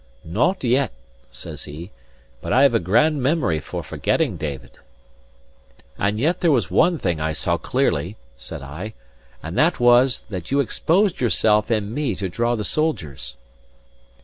"Not yet," says he; "but I've a grand memory for forgetting, David." "And yet there was one thing I saw clearly," said I; "and that was, that you exposed yourself and me to draw the soldiers."